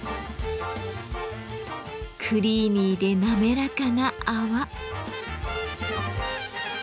クリーミーで滑らかな泡。